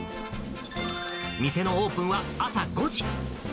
店のオープンは朝５時。